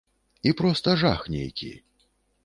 І проста жах нейкі.